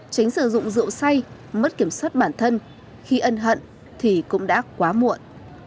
tránh sử dụng rượu say mất kiểm soát bản thân khi ân hận thì cũng đã quá muộn